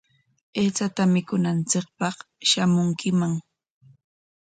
Aychata mikunanchikpaq shamunkiman.